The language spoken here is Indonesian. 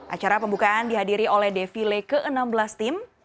acara pembukaan dihadiri oleh defile ke enam belas tim